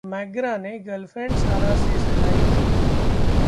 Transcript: McGrath ने girlfriend सारा से सगाई की